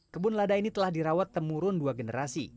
kebun lada ini telah dirawat temurun dua generasi